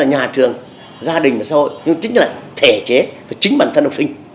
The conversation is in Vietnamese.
nhà trường gia đình và xã hội nhưng chính là thể chế và chính bản thân học sinh